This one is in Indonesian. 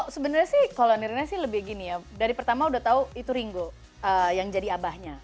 sebenarnya sih kalau nirina sih lebih gini ya dari pertama udah tau itu ringo yang jadi abahnya